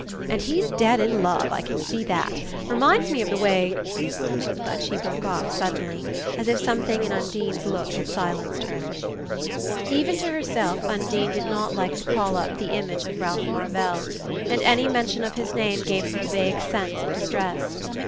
And he's dead in love, I can see that; reminds me of the way " but she broke off suddenly, as if something in Undine's look had silenced her. Even to herself. Undine did not like to call up the image of Ralph Marvell; and any mention of his name gave her a vague sense of distress.